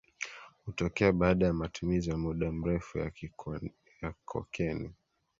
hutokea baada ya matumizi ya muda mrefu ya kokeni